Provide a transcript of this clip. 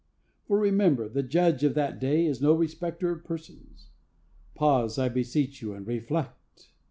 For remember, the Judge of that day is no respecter of persons. Pause, I beseech you, and reflect!